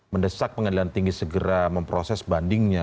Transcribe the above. mendesak pengadilan tinggi segera memproses bandingnya